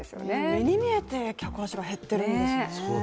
目に見えて、客足が減っているんですね。